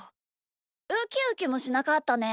ウキウキもしなかったね。